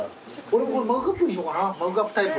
俺マグカップにしようかなマグカップタイプ。